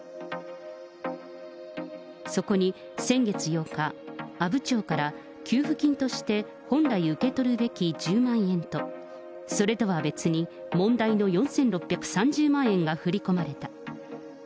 そこに先月８日、阿武町から給付金として、本来受け取るべき１０万円と、それとは別に、問題の４６３０万円が振り込まれた。